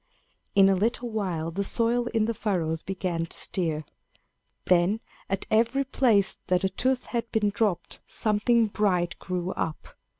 In a little while the soil in the furrows began to stir. Then, at every place that a tooth had been dropped, something bright grew up.